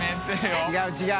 違う違う。